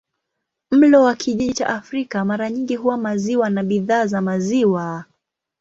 Mlo wa kijiji cha Afrika mara nyingi huwa maziwa na bidhaa za maziwa.